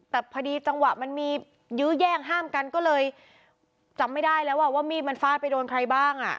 แต่พอดีจังหวะมันมียื้อแย่งห้ามกันก็เลยจำไม่ได้แล้วว่ามีดมันฟาดไปโดนใครบ้างอ่ะ